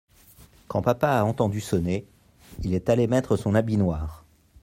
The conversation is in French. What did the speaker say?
Quand papa a entendu sonner… il est allé mettre son habit noir.